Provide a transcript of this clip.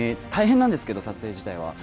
大変なんですけど、撮影自体は。